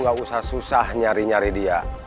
nggak usah susah nyari nyari dia